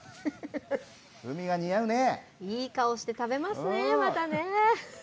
いい顔して食べますね